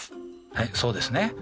はいそうですね。